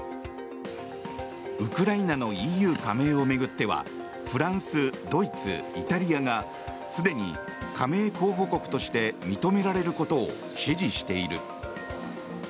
ウクライナのＥＵ加盟を巡ってはフランス、ドイツ、イタリアがすでに加盟候補国として認められることを支持している。